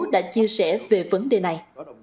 đã chia sẻ về vấn đề này